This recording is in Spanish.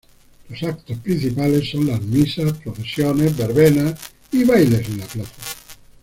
Los actos principales son las misas, procesiones, verbenas y bailes en la plaza.